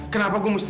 kenapa gue mau disini